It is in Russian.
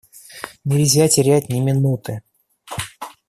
Нельзя терять ни минуты.